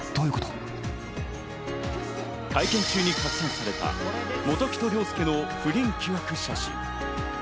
会見中に拡散された本木と凌介の不倫疑惑写真。